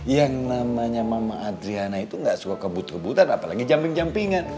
yang namanya mama adriana itu gak suka kebut kebutan apalagi jamping jampingan